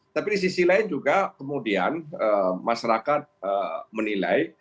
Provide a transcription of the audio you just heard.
tapi di sisi lain juga kemudian masyarakat menilai